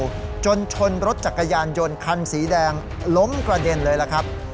จนชนรถจักรยานยนต์คันสีแดงล้มกระเด็นเลยล่ะครับ